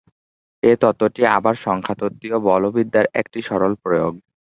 এই তত্ত্বটি আবার সংখ্যাতত্ত্বীয় বলবিদ্যার একটি সরল প্রয়োগ।